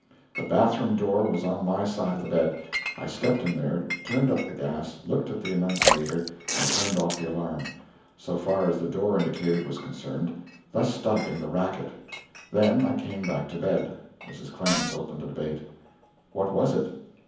The bath room door was on my side of the bed. I stepped in there, turned up the gas, looked at the annunciator, and turned off the alarm so far as the door indicated was concerned thus stopping the racket. Then I came back to bed. Mrs. Clemens opened the debate: "What was it?"